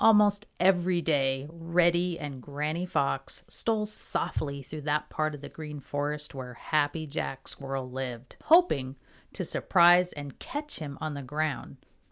Almost every day Reddy and Granny Fox stole softly through that part of the Green Forest where Happy Jack Squirrel lived, hoping to surprise and catch him on the ground.